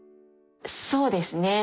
そうですね。